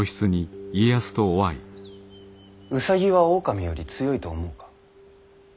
兎は狼より強いと思うか？